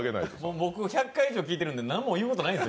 僕、１００回以上聞いてるので、何も言うことないです。